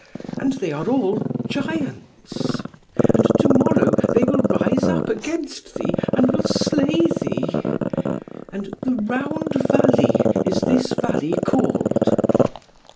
And they are all giants. And to morrow they will rise up against thee, and will slay thee. And the Round Valley is this valley called."